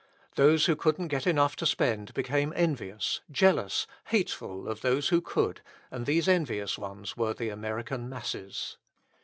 Those who couldn't get enough to spend became envious, jealous, hateful of those who could and these envious ones were the American masses.